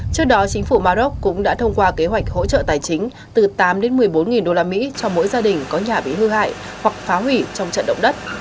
trước đó chính phủ maroc cũng đã thông qua kế hoạch hỗ trợ tài chính từ tám đến một mươi bốn usd cho mỗi gia đình có nhà bị hư hại hoặc phá hủy trong trận động đất